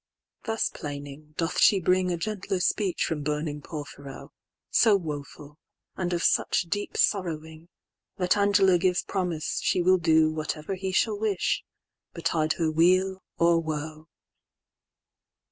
—Thus plaining, doth she bringA gentler speech from burning Porphyro; So woful, and of such deep sorrowing, That Angela gives promise she will doWhatever he shall wish, betide her weal or woe.